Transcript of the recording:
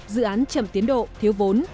dự án chậm tiến độ thiếu vốn